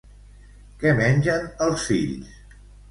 Què mengen els fills?